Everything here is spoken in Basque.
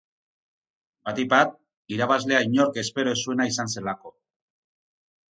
Batipat, irabazlea inork espero ez zuena izan zelako.